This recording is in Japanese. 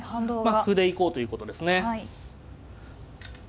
歩で行こうということですね。